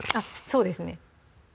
そうですね